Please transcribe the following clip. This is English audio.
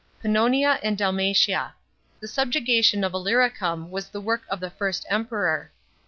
§ 11. PANNONIA AND DALMATIA. — The subjugation of Illyricum was the work of the first Emperor.